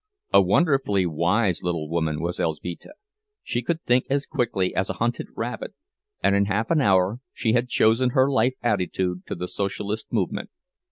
A wonderfully wise little woman was Elzbieta; she could think as quickly as a hunted rabbit, and in half an hour she had chosen her life attitude to the Socialist movement.